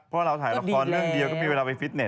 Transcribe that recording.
เพราะเราถ่ายละครเรื่องเดียวก็มีเวลาไปฟิตเต็